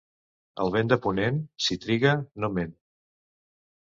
El vent de ponent, si triga, no ment.